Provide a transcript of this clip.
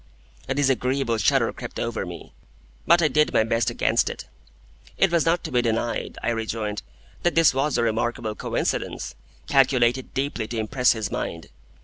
A disagreeable shudder crept over me, but I did my best against it. It was not to be denied, I rejoined, that this was a remarkable coincidence, calculated deeply to impress his mind.